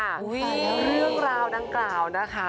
เรื่องราวดังกล่าวนะคะ